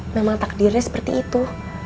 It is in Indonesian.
memang takdirnya seperti itu